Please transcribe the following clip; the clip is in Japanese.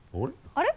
あれ？